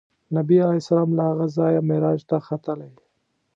نبي علیه السلام له هغه ځایه معراج ته ختلی.